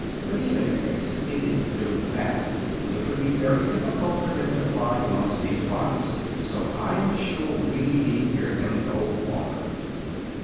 "But even if they succeeded in doing that it would be very difficult for them to fly amongst these rocks; so I am sure we need fear them no longer."